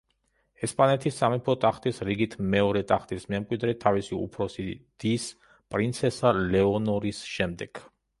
ესპანეთის სამეფო ტახტის რიგით მეორე ტახტის მემკვიდრე თავისი უფროსი დის, პრინცესა ლეონორის შემდეგ.